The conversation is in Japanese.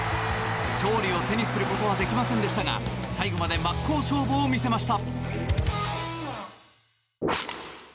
勝利を手にすることはできませんでしたが最後まで真っ向勝負を見せました。